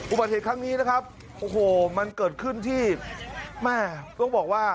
อุบัติเหตุครั้งนี้นะครับโอ้โหมันเกิดขึ้นที่แม่ต้องบอกว่า